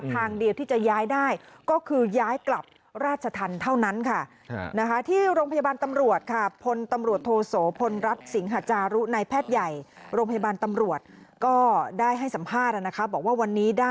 ทางเดียวที่จะย้ายได้ก็คือย้ายกลับราชธรรมเท่านั้นค่ะ